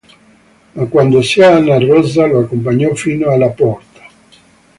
Ma quando zia Anna-Rosa lo accompagnò fino alla porta.